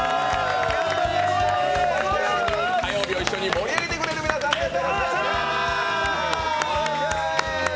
そして火曜日を一緒に盛り上げてくれる皆さんです。